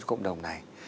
cho cộng đồng này